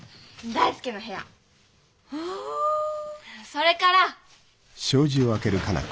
それから。